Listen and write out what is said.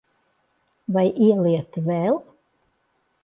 Vai ieliet vēl?